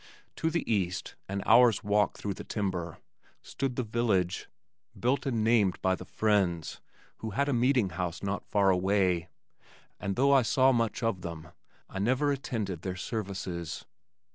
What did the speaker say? To the east, an hour's walk through the timber, stood the village, built and named by the "Friends" who had a meeting house not far away, and though I saw much of them, I never attended their services.